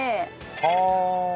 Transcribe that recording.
はあ。